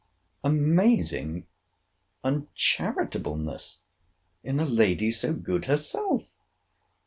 Amazing uncharitableness in a lady so good herself!